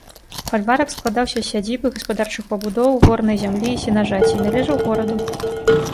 Фальварак складаўся з сядзібы, гаспадарчых пабудоў, ворнай зямлі і сенажаці і належаў гораду.